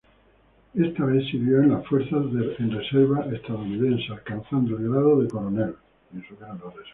Esta vez sirvió en las Fuerzas en Reserva estadounidenses, alcanzando el grado de coronel.